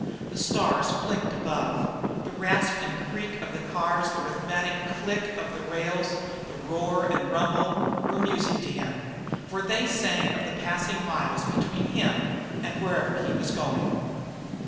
The stars blinked above. The rasp and creak of the cars, the rhythmic click of the rails, the roar and rumble, were music to him, for they sang of the passing miles between him and wherever he was going.